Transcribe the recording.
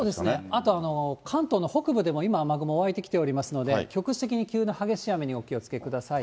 あと関東の北部でも今、雨雲が湧いてきていますので、局地的に急な激しい雨にお気をつけください。